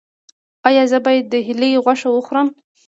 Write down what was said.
ایا زه باید د هیلۍ غوښه وخورم؟